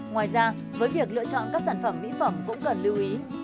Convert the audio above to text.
ngoài ra với việc lựa chọn các sản phẩm mỹ phẩm cũng cần lưu ý